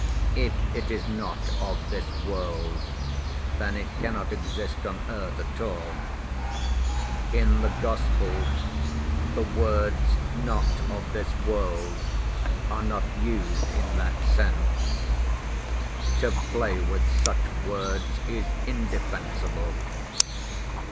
If it is not of this world, then it cannot exist on earth at all. In the Gospel, the words 'not of this world' are not used in that sense. To play with such words is indefensible.